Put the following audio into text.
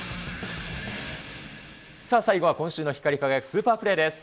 さあ、最後は今週の光り輝くスーパープレーです。